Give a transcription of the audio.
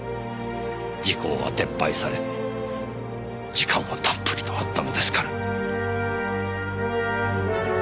時効は撤廃され時間はたっぷりとあったのですから。